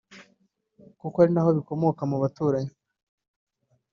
kuko ari na ho bikomoka mu baturanyi